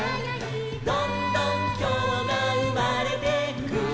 「どんどんきょうがうまれてく」